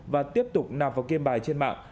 và tiếp tục nạp vào game bài trên mạng